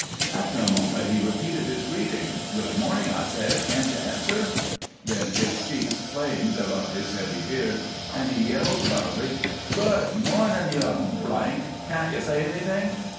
After a moment he repeated his greeting: "Good morning, I said. Can't you answer?" Then his cheeks flamed above his heavy beard and he yelled, loudly, "Good morning, you ! Can't you say anything?"